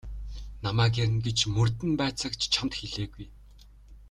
Намайг ирнэ гэж мөрдөн байцаагч чамд хэлээгүй.